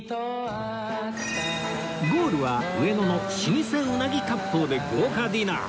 ゴールは上野の老舗うなぎ割烹で豪華ディナー